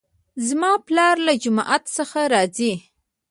زما پلار له جومات څخه راځي